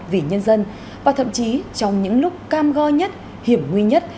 vì nhân dân và thậm chí trong những lúc cam go nhất hiểm nguy nhất